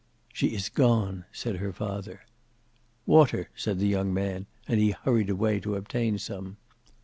"She is gone," said her father. "Water," said the young man, and he hurried away to obtain some.